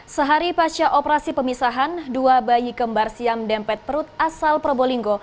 sehari pasca operasi pemisahan dua bayi kembar siam dempet perut asal probolinggo